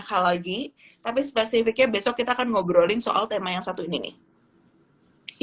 kita akan ngobrolin soal tema yang satu ini nih